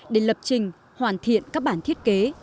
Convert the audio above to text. để lập trình hoàn thiện các bản thiết kế